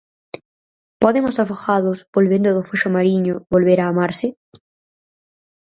Poden os afogados, volvendo do foxo mariño, volver a amarse?